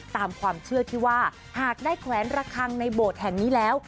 ตามความเชื่อที่ว่าหากได้แขวนระคังในโบสถ์แห่งนี้แล้ว